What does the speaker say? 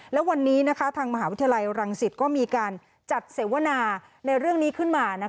แล้ววันนี้ทางมหาวิทยาลัยรังสิตก็มีการจัดเสวนาในเรื่องนี้ขึ้นมา